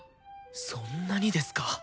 そんなにですか！